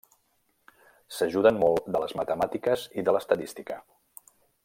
S'ajuden molt de les matemàtiques i de l'estadística.